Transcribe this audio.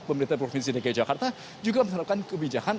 pemerintah provinsi negeri jakarta juga menerima kebijakan